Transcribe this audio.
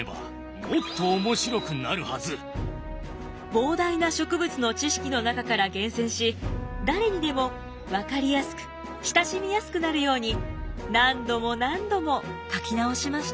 膨大な植物の知識の中から厳選し誰にでも分かりやすく親しみやすくなるように何度も何度も書き直しました。